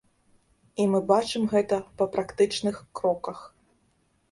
І мы бачым гэта па практычных кроках.